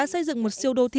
họ đã xây dựng một siêu đô thị